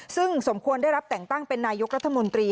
ซึ่งสมควรได้รับแต่งตั้งเป็นนายกรัฐมนตรี